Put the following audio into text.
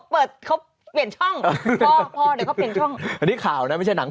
พอเดี๋ยวเขาเปลี่ยนช่อง